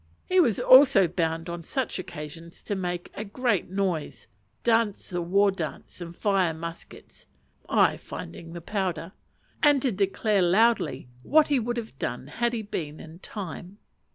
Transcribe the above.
He was also bound on such occasions to make a great noise, dance the war dance, and fire muskets (I finding the powder), and to declare loudly what he would have done had he only been in time.